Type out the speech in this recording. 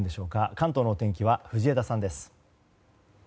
関東のお天気は藤枝さんです。